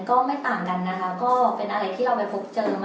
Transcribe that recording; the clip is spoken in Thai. ก็ไม่ต่างกันนะคะก็เป็นอะไรที่เราไปพบเจอมา